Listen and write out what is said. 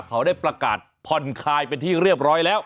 เขาได้ประกาศผ่อนคลายเป็นที่เรียบร้อยแล้ว